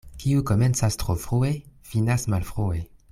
Kiu komencas tro frue, finas malfrue.